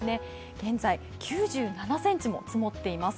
現在、９７ｃｍも積もっています。